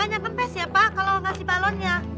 jangan nyampe pes ya pak kalau ngasih balonnya